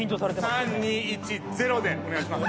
３２１ゼロでお願いします